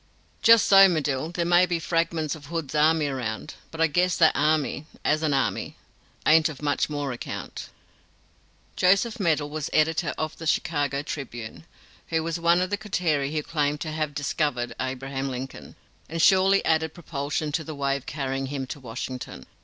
"Just so, Medill, there may be fragments of Hood's army around, but I guess that army, as an army, ain't of much more account!" (Joseph Medill was editor of the Chicago Tribune; he was one of the coterie who claimed to have "discovered" Abraham Lincoln, and surely added propulsion to the wave carrying him to Washington.